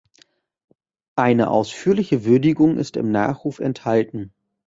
Eine ausführliche Würdigung ist im Nachruf enthalten.